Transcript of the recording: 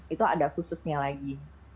itu ada khususnya lagi